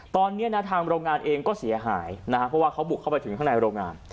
ตอนนี้นะทางโรงงานเองก็เสียหายนะครับเพราะว่าเขาบุกเข้าไปถึงข้างในโรงงาน